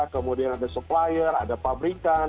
kemudian ada supplier ada pabrikan